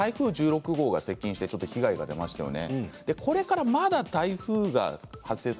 先週台風１６号が接近して被害が出ましたよね。